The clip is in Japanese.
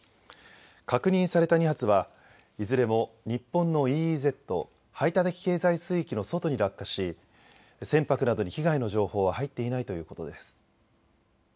確認された２発はいずれも日本のＥＥＺ・排他的経済水域の外に落下し船舶などに被害の情報は入っていないということです。